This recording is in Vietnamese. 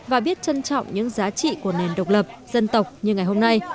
và biết trân trọng những giá trị của nền độc lập dân tộc như ngày hôm nay